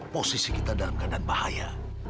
posisi kita dalam keadaan bahaya